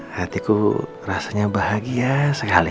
hatiku rasanya bahagia sekali